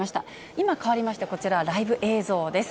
今、かわりましてこちら、ライブ映像です。